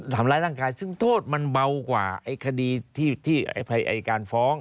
ทำร้ายร่างกายซึ่งโทษมันเบากว่าไอ้คดีที่การฟ้อง